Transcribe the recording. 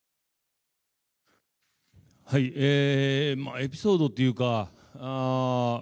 エピソードというか。